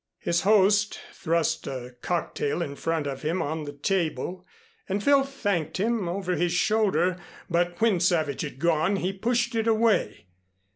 His host thrust a cocktail in front of him on the table, and Phil thanked him over his shoulder, but when Savage had gone, he pushed it away.